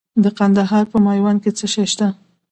د کندهار په میوند کې څه شی شته؟